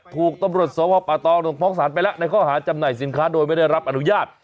ถูกตำรวจสวป่าตองลงฟ้องศาลไปแล้วในข้อหาจำหน่ายสินค้าโดยไม่ได้รับอนุญาต